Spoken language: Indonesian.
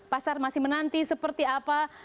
pasar masih menanti seperti apa